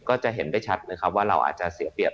ก็จะเห็นได้ชัดนะครับว่าเราอาจจะเสียเปรียบ